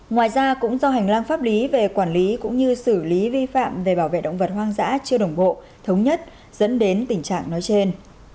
ngoài ra cũng do hành lang pháp lý về quản lý cũng như xử lý vi phạm về bảo vệ động vật hoang dã chưa đồng bộ thống nhất dẫn đến tình trạng nói trên